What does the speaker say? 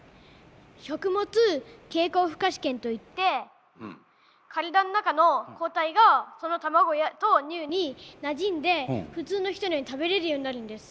食物経口負荷試験と言って体の中の抗体がその卵と乳になじんで普通の人のように食べれるようになるんです。